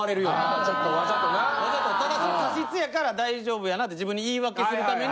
ただちょっと過失やから大丈夫やなって自分に言い訳するために。